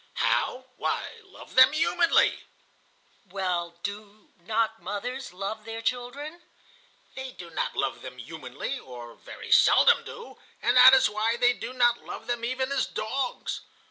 "How? Why, love them humanly." "Well, do not mothers love their children?" "They do not love them humanly, or very seldom do, and that is why they do not love them even as dogs.